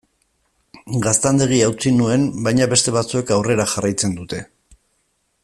Gaztandegia utzi nuen, baina beste batzuek aurrera jarraitzen dute.